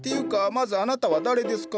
まずあなたは誰ですか？